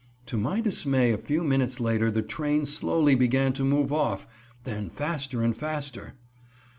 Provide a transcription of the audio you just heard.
To my dismay a few minutes later the train slowly began to move off, then faster and faster.